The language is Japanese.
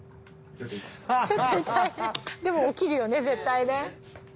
でも起きるよね絶対ね。